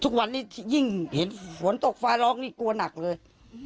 ทุกวันนี้ยิ่งเห็นฝนตกฟ้าร้องนี่กลัวหนักเลย